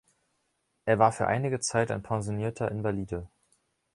Er war für einige Zeit ein pensionierter Invalide.